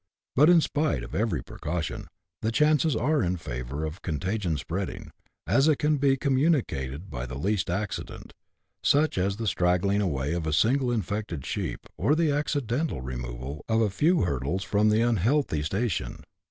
But, in spite of every precaution, the chances are in favour of contagion spreading, as it can be communicated by the least accident, such as the straggling away of a single infected sheep, or the accidental removal of a few hurdles from the unhealthy station